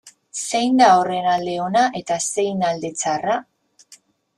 Zein da horren alde ona eta zein alde txarra?